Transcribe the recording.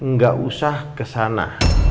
gak usah kesana